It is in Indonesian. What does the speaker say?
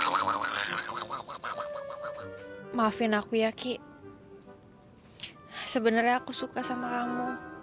maafin aku ya kih sebenernya aku suka sama kamu